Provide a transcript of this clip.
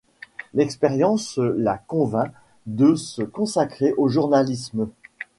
L'expérience la convainc de se consacrer au journalisme.